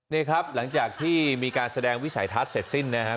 นี่ครับหลังจากที่มีการแสดงวิสัยทัศน์เสร็จสิ้นนะครับ